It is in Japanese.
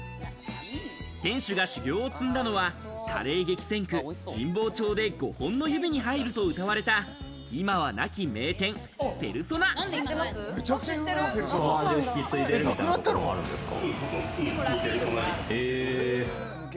店主が修業を積んだのはカレー激戦区・神保町で、５本の指に入ると謳われた、今はその味を引き継いでるみたいなことあるんですか？